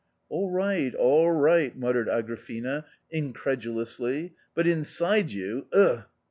" All right, all right !" muttered Agrafena, incredulously, " but inside you — ugh